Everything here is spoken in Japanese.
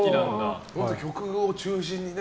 曲を中心にね。